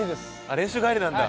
練習帰りなんだ。